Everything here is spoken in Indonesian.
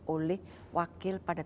oleh wakil pada